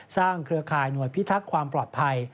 สร้างเครือคายหนวดพิทักษ์ความปลอดภัย